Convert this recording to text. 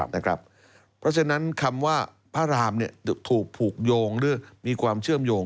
เพราะฉะนั้นคำว่าพระรามถูกผูกโยงหรือมีความเชื่อมโยง